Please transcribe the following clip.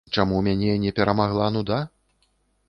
Чаму мяне не перамагла нуда?